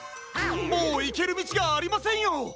もういけるみちがありませんよ！